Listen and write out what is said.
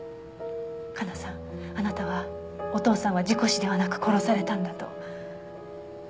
加奈さんあなたはお父さんは事故死ではなく殺されたんだと。